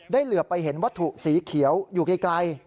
เหลือไปเห็นวัตถุสีเขียวอยู่ไกล